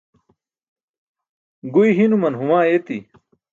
Guy hinuman huma ayeti.